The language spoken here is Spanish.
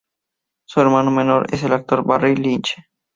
Su hermano menor es el actor Barry Lynch.